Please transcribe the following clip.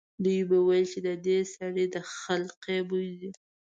ده به ویل چې د دې سړي د خلقي بوی ځي.